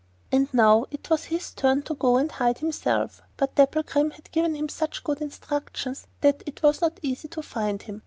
And now it was his turn to go and hide himself; but Dapplegrim had given him such good instructions that it was not easy to find him.